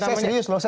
saya serius loh